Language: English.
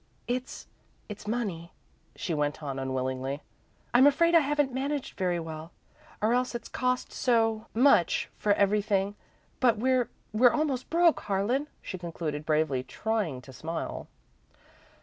"It's it's money," she went on, unwillingly. "I'm afraid I haven't managed very well, or else it's cost so much for everything, but we're we're almost broke, Harlan," she concluded, bravely, trying to smile.